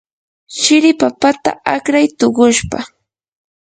shiri papata akray tuqushpa.